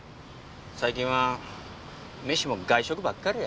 最近は飯も外食ばっかりや。